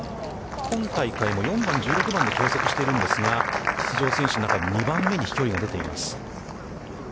今大会も４番、６番で計測しているんですが、出場選手の中で、２番目に飛距離が出ています。